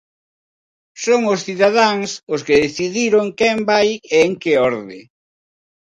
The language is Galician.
Son os cidadáns os que decidiron quen vai e en que orde.